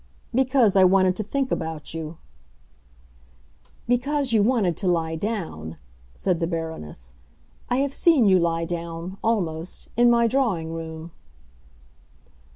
"Because I wanted to think about you." "Because you wanted to lie down!" said the Baroness. "I have seen you lie down—almost—in my drawing room."